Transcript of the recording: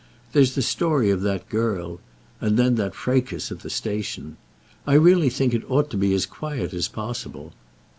There's the story of that girl, and then that fracas at the station. I really think it ought to be as quiet as possible."